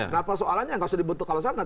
nah soalannya nggak usah dibentuk kalau sangat